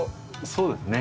そうですね